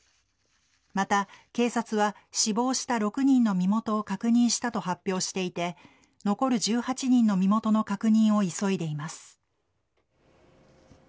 また警察は死亡した６人の身元を確認したと発表していて残る１８人の身元の確認を急いでいます。